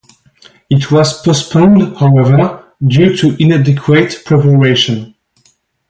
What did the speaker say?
It was postponed, however, due to inadequate preparation.